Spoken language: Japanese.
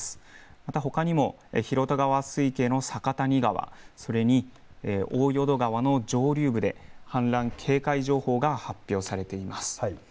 また広渡川水系の酒谷川、大淀川、それに大淀川の上流部で氾濫警戒情報が発表されています。